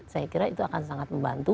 saya kira itu akan sangat membantu